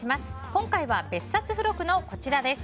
今回は、別冊付録のこちらです。